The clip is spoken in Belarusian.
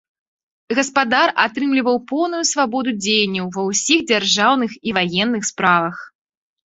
Гаспадар атрымліваў поўную свабоду дзеянняў ва ўсіх дзяржаўных і ваенных справах.